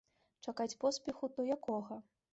Чакаць поспеху, то якога?